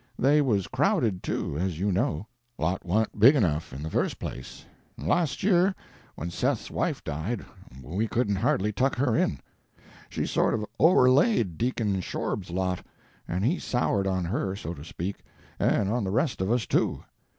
They was crowded, too, as you know; lot wa'n't big enough in the first place; and last year, when Seth's wife died, we couldn't hardly tuck her in. She sort o' overlaid Deacon Shorb's lot, and he soured on her, so to speak, and on the rest of us, too.